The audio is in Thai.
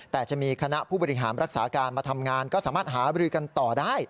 แต่จะมีคณะผู้บริหารรักษาการมาทำงานก็สามารถหาบริกันต่อได้